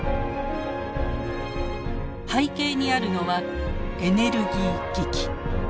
背景にあるのはエネルギー危機。